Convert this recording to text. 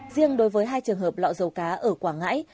riêng đối với hai trường hợp lọ dầu cá ở quảng ngãi